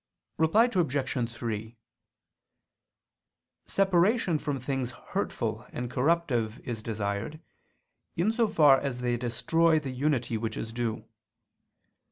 Reply Obj. 3: Separation from things hurtful and corruptive is desired, in so far as they destroy the unity which is due.